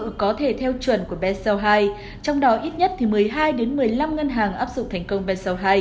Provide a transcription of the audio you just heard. các ngân hàng có thể theo chuẩn của bseo hai trong đó ít nhất một mươi hai một mươi năm ngân hàng áp dụng thành công bseo hai